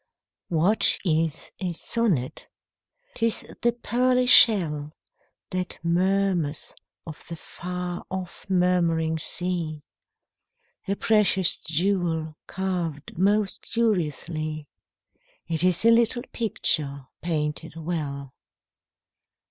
What is a sonnet ? T is the pearly shell That mormnrs of the f ar o£P murmuring sea ; A precious jewel carved most curiously ; It is a little picture painted well.